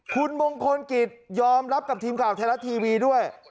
คุณมงคลกิจยอมรับกับทีมข่าวไทยรัฐทีวีด้วย